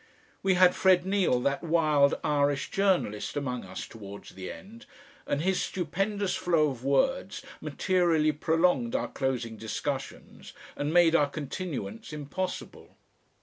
We had Fred Neal, that wild Irish journalist, among us towards the end, and his stupendous flow of words materially prolonged our closing discussions and made our continuance impossible.